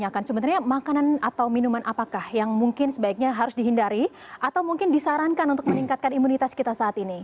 sebenarnya makanan atau minuman apakah yang mungkin sebaiknya harus dihindari atau mungkin disarankan untuk meningkatkan imunitas kita saat ini